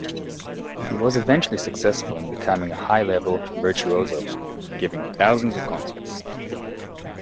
He was eventually successful in becoming a high-level virtuoso, giving thousands of concerts.